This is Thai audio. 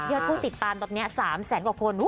ผู้ติดตามตอนนี้๓แสนกว่าคน